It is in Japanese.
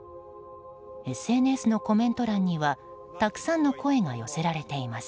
ＳＮＳのコメント欄にはたくさんの声が寄せられています。